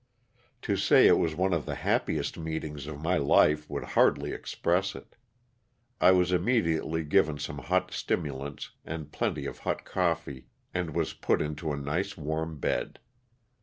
To say it was one of the happiest meetings of my life would hardly express it. I was immediately given some hot stimulants and plenty of hot coffee, and was put into a nice warm bed.